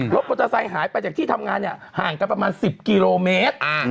รถโมทอไซค์หายไปจากที่ทำงานห่างกันประมาณ๑๐กิโลเมตร